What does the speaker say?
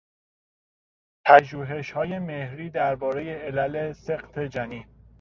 پژوهشهای مهری دربارهی علل سقط جنین